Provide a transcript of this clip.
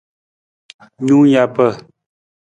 Nung japa.